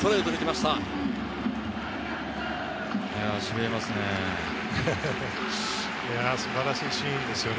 しびれますね。